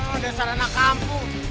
udah sarana kampung